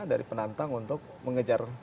dari penantang untuk mengejar